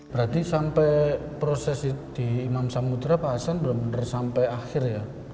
berarti sampai proses di imam samudera pak hasan benar benar sampai akhir ya